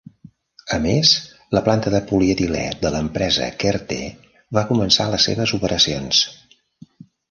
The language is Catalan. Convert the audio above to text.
A més, la planta de polietilè de l'empresa a Kerteh va començar les seves operacions.